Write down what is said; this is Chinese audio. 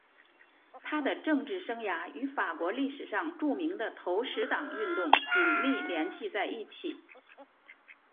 他的政治生涯与法国历史上著名的投石党运动紧密联系在一起。